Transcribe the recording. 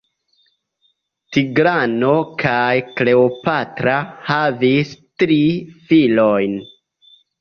Tigrano kaj Kleopatra havis tri filojn.